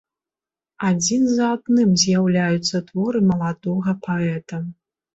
Адзін за адным з'яўляюцца творы маладога паэта.